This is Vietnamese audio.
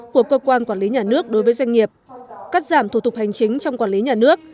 của cơ quan quản lý nhà nước đối với doanh nghiệp cắt giảm thủ tục hành chính trong quản lý nhà nước